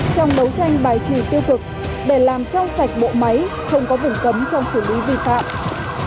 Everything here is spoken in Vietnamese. trong đấu tranh bài trừ tiêu cực để làm trong sạch bộ máy không có vùng cấm trong xử lý vi phạm